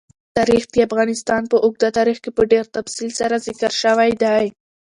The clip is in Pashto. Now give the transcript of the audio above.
تاریخ د افغانستان په اوږده تاریخ کې په ډېر تفصیل سره ذکر شوی دی.